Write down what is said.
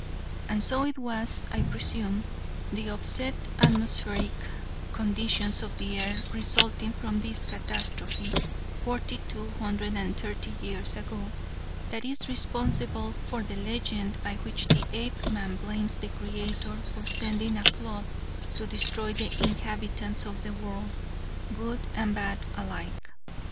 And so it was, I presume, the upset atmospheric conditions of the earth resulting from this catastrophe, forty two hundred and thirty years ago, that is responsible for the legend by which the Apeman blames the Creator for sending a flood to destroy the inhabitants of the world, good and bad alike.